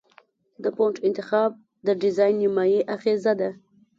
د فونټ انتخاب د ډیزاین نیمایي اغېزه ده.